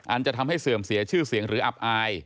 จะทำให้เสื่อมเสียชื่อเสียงหรืออับอาย